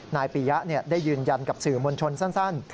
นายปียะได้ยืนยันกับสื่อมวลชนสั้น